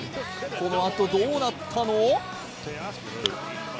このあと、どうなったの？